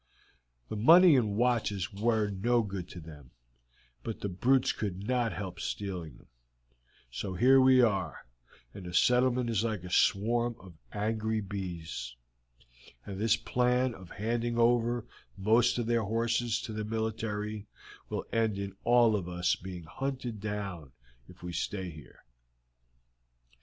"The money and watches were no good to them, but the brutes could not help stealing them; so here we are, and the settlement is like a swarm of angry bees, and this plan of handing over most of their horses to the military will end in all of us being hunted down if we stay here.